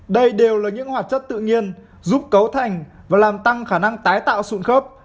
đây đều là những hoạt chất tự nhiên giúp cấu thành và làm tăng khả năng tái tạo sụn khớp